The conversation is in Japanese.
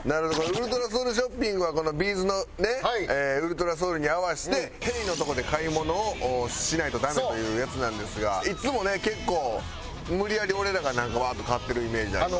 ウルトラソウルショッピングはこのＢ’ｚのね『ｕｌｔｒａｓｏｕｌ』に合わせて「ＨＥＹ！」のとこで買い物をしないとダメというやつなんですがいつもね結構無理やり俺らがなんかワーッと買ってるイメージある。